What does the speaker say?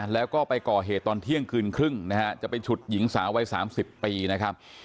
แล้วก็ไปก่อเหตุตอนเที่ยงคืนครึ่งนะฮะจะไปฉุดหญิงสาววัย๓๐ปีนะครับ